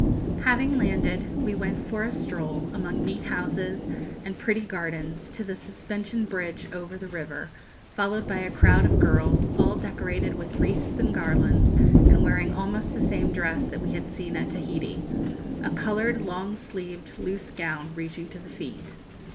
"Having landed, we went for a stroll, among neat houses and pretty gardens, to the suspension bridge over the river, followed by a crowd of girls, all decorated with wreaths and garlands, and wearing almost the same dress that we had seen at Tahiti a coloured, long sleeved, loose gown reaching to the feet.